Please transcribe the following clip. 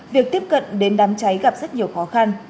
việc tiếp cận đến đám cháy gặp rất nhiều khó khăn